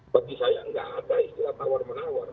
bagi saya nggak ada istilah tawar menawar